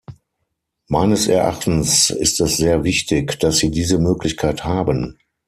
Meines Erachtens ist es sehr wichtig, dass sie diese Möglichkeit haben.